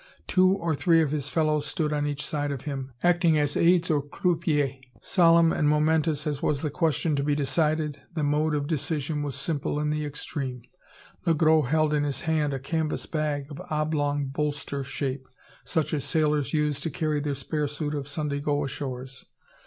Two or three of his fellows stood on each side of him, acting as aids or croupiers. Solemn and momentous as was the question to be decided, the mode of decision was simple in the extreme. Le Gros held in his hand a canvas bag, of oblong bolster shape, such as sailors use to carry their spare suit of "Sunday go ashores."